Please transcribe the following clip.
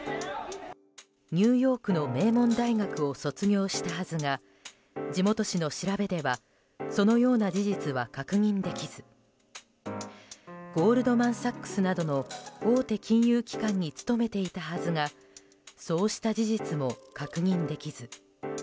ニューヨークの名門大学を卒業したはずが地元紙の調べではそのような事実は確認できずゴールドマン・サックスなどの大手金融機関に勤めていたはずがそうした事実も確認できず。